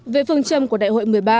về phương châm của đại hội một mươi ba